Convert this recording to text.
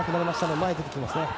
前に出てきますね。